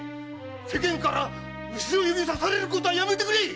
〔世間から後ろ指さされることはやめてくれ‼〕